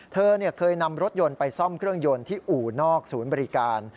เธอเคยนำรถยนต์ไปซ่อมเครื่องยนต์ที่อู่นอกศูนย์บริการ